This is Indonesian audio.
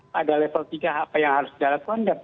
pada level tiga apa yang harus dilakukan